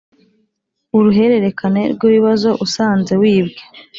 uruhererekane rw’ibibazo usanze wibwe